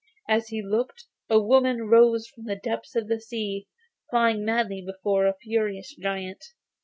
As he looked a woman rose from the depths of the sea, flying madly before a furious giant.